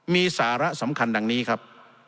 มีสาระสำคัญดังนี้ครับ